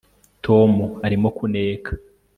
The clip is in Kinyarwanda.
Tom arimo kuneka